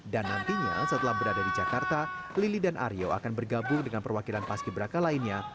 dan nantinya setelah berada di jakarta lili dan aryo akan bergabung dengan perwakilan paski berakat lainnya